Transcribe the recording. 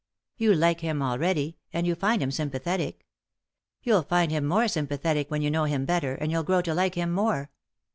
You like him already, and you find him sympathetic You'll find him more sympathetic when you know him better, and you'll grow to like him more.